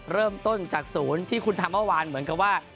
เริ่มต้นจากศูนย์ที่คุณทำเมื่อวานเหมือนกับว่า